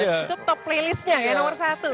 itu top playlistnya ya nomor satu